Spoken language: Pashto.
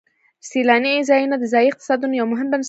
سیلاني ځایونه د ځایي اقتصادونو یو مهم بنسټ دی.